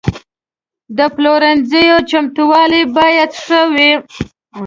د پلورنځي چمتووالی باید ښه وي.